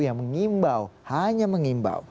yang mengimbau hanya mengimbau